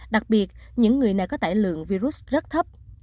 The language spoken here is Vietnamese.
đặc biệt những người này có tải lượng virus rất thấp